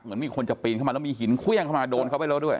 เหมือนมีคนจะปีนเข้ามาแล้วมีหินเครื่องเข้ามาโดนเขาไปแล้วด้วย